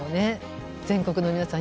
全国の皆さん